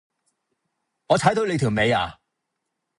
我踩到你條尾呀？